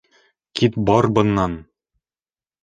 — Кит бар бынан!